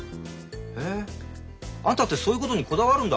へえあんたってそういうことにこだわるんだ。